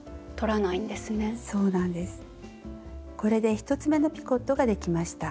これで１つめのピコットができました。